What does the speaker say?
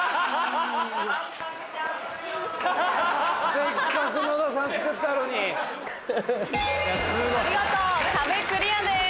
・せっかく野田さん作ったのに・見事壁クリアです。